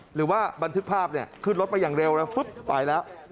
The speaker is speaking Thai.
หรือว่าบันทึกภาพเนี่ยขึ้นรถไปอย่างเร็วแล้วฟึ๊บไปแล้ว